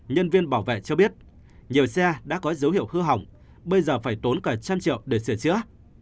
nhân viên bảo vệ cho biết nhiều xe đã có dấu hiệu hư hỏng bây giờ phải tốn cả trăm triệu để sửa chữa